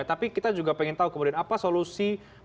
tapi kita juga pengen tahu kemudian apa solusi itu